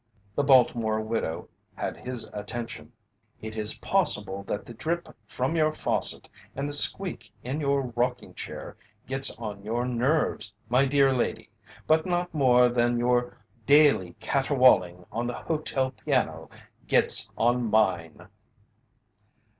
The Baltimore widow had his attention: "It is possible that the drip from your faucet and the squeak in your rocking chair gets on your nerves, my dear lady, but not more than your daily caterwauling on the hotel piano gets on mine.